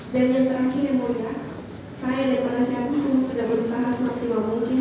dan yang terakhir yang mulia saya dan penasihatku sudah berusaha semaksimal mungkin